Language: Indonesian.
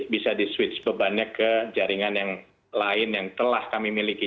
bisa di switch bebannya ke jaringan yang lain yang telah kami miliki